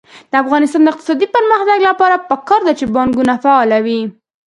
د افغانستان د اقتصادي پرمختګ لپاره پکار ده چې بانکونه فعال وي.